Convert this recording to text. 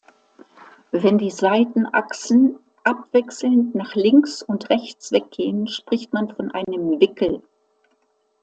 Wenn die Seitenachsen abwechselnd nach links und rechts weggehen, spricht man von einem "Wickel".